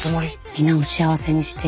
皆を幸せにしている。